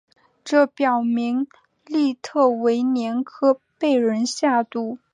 这表明利特维年科被人下毒。